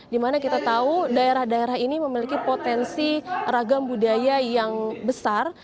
dimana kita tahu daerah daerah ini memiliki potensi ragam budaya yang besar